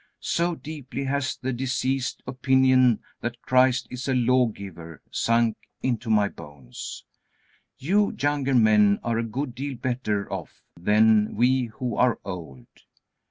So deeply has the diseased opinion that Christ is a lawgiver sunk into my bones. You younger men are a good deal better off than we who are old.